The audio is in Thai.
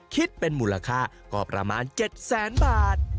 คิดเป็นมูลค่าก็ประมาณ๗แสนบาท